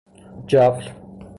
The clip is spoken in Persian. جفل